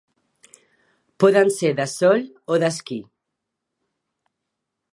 Poden ser de sol o d'esquí.